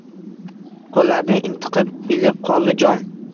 Qo‘llarda intiqib, ilib qoldi jom